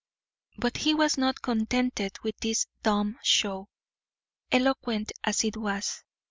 But he was not contented with this dumb show, eloquent as it was.